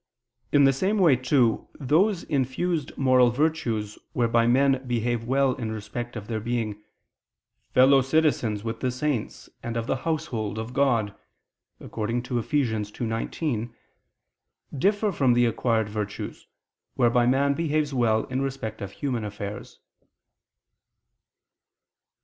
In the same way, too, those infused moral virtues, whereby men behave well in respect of their being "fellow citizens with the saints, and of the household [Douay: 'domestics'] of God" (Eph. 2:19), differ from the acquired virtues, whereby man behaves well in respect of human affairs.